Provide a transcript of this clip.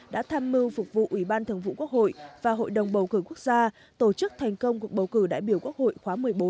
đã tham mưu phục vụ ủy ban thường vụ quốc hội và hội đồng bầu cử quốc gia tổ chức thành công cuộc bầu cử đại biểu quốc hội khóa một mươi bốn